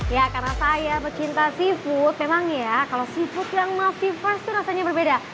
ya karena saya pecinta seafood memang ya kalau seafood yang masih fresh tuh rasanya berbeda